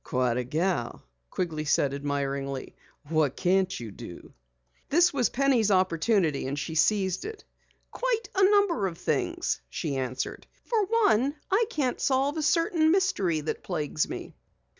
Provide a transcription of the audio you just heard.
"Quite a gal!" Quigley said admiringly. "What can't you do?" This was Penny's opportunity and she seized it. "Quite a number of things," she answered. "For one, I can't solve a certain mystery that plagues me."